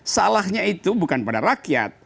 salahnya itu bukan pada rakyat